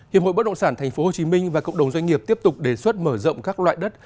hiệp hội bất động sản tp hcm và cộng đồng doanh nghiệp tiếp tục đề xuất mở rộng các loại đất